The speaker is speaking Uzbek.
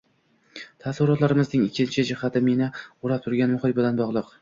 Taassurotlarimning ikkinchi jihati meni oʻrab turgan muhit bilan bogʻliq.